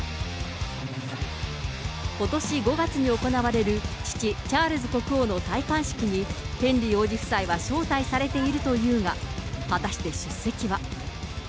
ことし５月に行われる父、チャールズ国王の戴冠式に、ヘンリー王子夫妻は招待されているというが、果たして出席は。